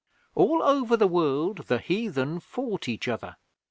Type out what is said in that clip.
All over the world the heathen fought each other.